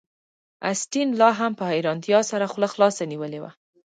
اسټین لاهم په حیرانتیا سره خوله خلاصه نیولې وه